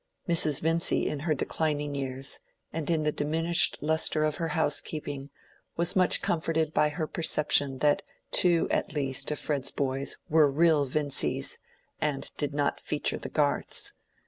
Mrs. Vincy in her declining years, and in the diminished lustre of her housekeeping, was much comforted by her perception that two at least of Fred's boys were real Vincys, and did not "feature the Garths."